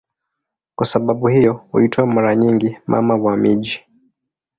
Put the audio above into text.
Kwa sababu hiyo huitwa mara nyingi "Mama wa miji".